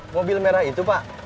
mobil merah itu pak